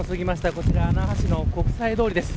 こちら那覇市の国際通りです。